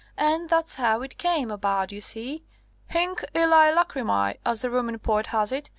And and that's how it came about, you see; hinc illæ lachrymæ, as the Roman poet has it.